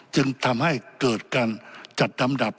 จึงทำให้เกิดการจัดลำดับ